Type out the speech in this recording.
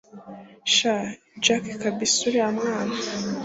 shn jack kabsa uriya mwana